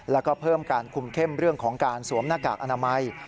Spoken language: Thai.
แล้วก็เพิ่มการคุมเข้มเรื่องของการสวมหน้ากากอนามัย